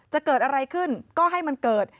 จะเกิดอะไรขึ้นก็ให้มันเกิด